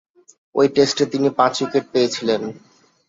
ঐ টেস্টে তিনি পাঁচ উইকেট পেয়েছিলেন।